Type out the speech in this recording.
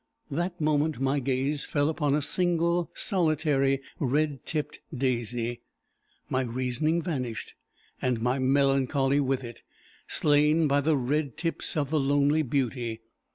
That moment my gaze fell upon a single, solitary, red tipped daisy. My reasoning vanished, and my melancholy with it, slain by the red tips of the lonely beauty.